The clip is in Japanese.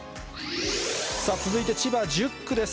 さあ、続いて千葉１０区です。